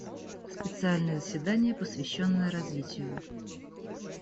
Специальное заседание, посвященное развитию.